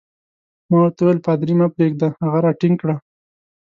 ما ورته وویل: پادري مه پرېږده، هغه راټینګ کړه.